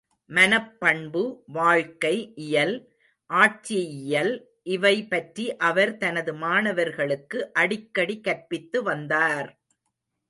மனப்பண்பு, வாழ்க்கை இயல், ஆட்சியியல் இவை பற்றி அவர் தனது மாணவர்களுக்கு அடிக்கடி கற்பித்து வந்தார்!